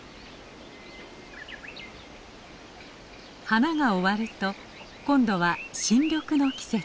花が終わると今度は新緑の季節。